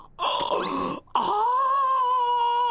ああ。